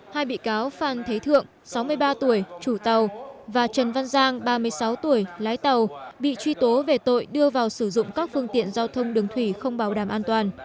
hai bị cáo phan thế thượng sáu mươi ba tuổi chủ tàu và trần văn giang ba mươi sáu tuổi lái tàu bị truy tố về tội đưa vào sử dụng các phương tiện giao thông đường thủy không bảo đảm an toàn